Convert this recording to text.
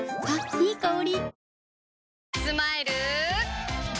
いい香り。